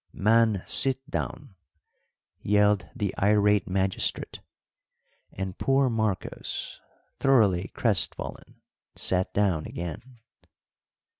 "Man, sit down!" yelled the irate magistrate, and poor Marcos, thoroughly crestfallen, sat down again.